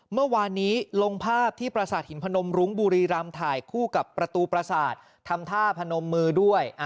เมื่อวานนี้ลงภาพที่ประสาทหินพนมรุ้งบุรีรำถ่ายคู่กับประตูประสาททำท่าพนมมือด้วย